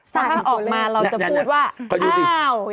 ถ้าออกมาเราจะพูดว่าอ้าวอย่างนี้